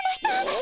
え！？